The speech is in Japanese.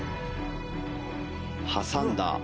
挟んだ。